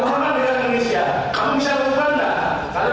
keluar kamu dari mps